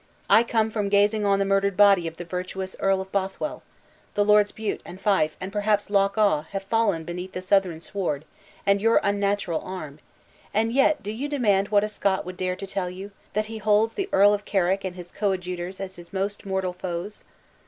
I come from gazing on the murdered body of the virtuous Earl of Bothwell! The Lords Bute and Fyfe, and perhaps Loch awe, have fallen beneath the Southron sword, and your unnatural arm; and yet do you demand what Scot would dare to tell you, that he holds the Earl of Carrick and his coadjutors as his most mortal foes?"